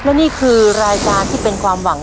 และนี่คือรายการที่เป็นความหวัง